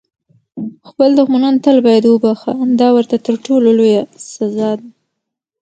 خپل دښمنان تل باید وبخښه، دا ورته تر ټولو لویه سزا ده.